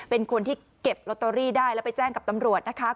เป็นคนที่เก็บลอตเตอรี่ได้แล้วไปแจ้งกับตำรวจนะคะ